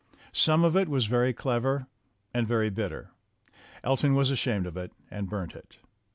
Some of it was very clever and very bitter. Elton was ashamed of it and burnt it.